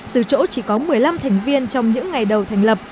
từ chỗ chỉ có một mươi năm thành viên trong những ngày đầu thành lập